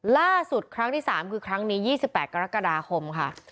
ล่าสุดครั้งที่๓คือครั้งนี้๒๘กรกฎาคมค่ะ